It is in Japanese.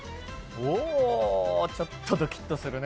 おちょっとドキッとするね。